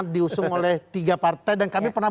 diusung oleh tiga partai dan kami pernah